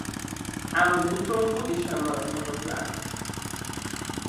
Ám az útról Woody sem maradhatott le.